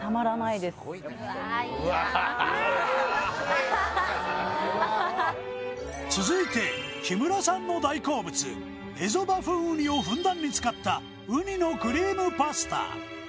いいな続いて木村さんの大好物エゾバフンウニをふんだんに使ったウニのクリームパスタ